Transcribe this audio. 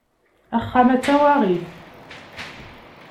Axxam-a d tawaɣit.